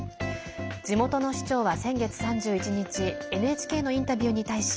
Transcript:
地元の市長は先月３１日ＮＨＫのインタビューに対し